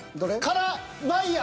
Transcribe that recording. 「カラバイヤ」。